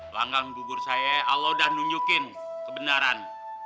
pelanggan bubur saya allah udah nunjukin kebenaran